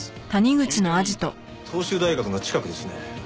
東修大学の近くですね。